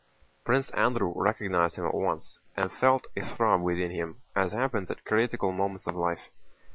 Prince Andrew recognized him at once, and felt a throb within him, as happens at critical moments of life.